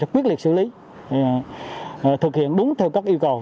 quyết liệt xử lý thực hiện đúng theo các yêu cầu